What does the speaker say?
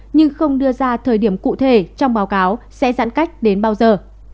nhưng không đưa ra thời điểm cụ thể trong báo cáo sẽ giãn cách đến bao giờ